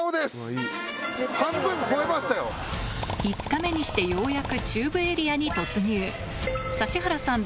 ５日目にしてようやく中部エリアに突入指原さん